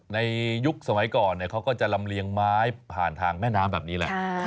ในยุคสมัยก่อนเขาก็จะลำเลียงไม้ผ่านทางแม่น้ำแบบนี้แหละ